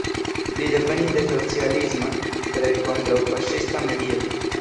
Li devenis de socialisma, tre kontraŭ-faŝista medio.